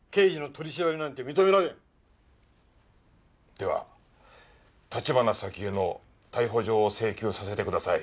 では橘沙希江の逮捕状を請求させてください。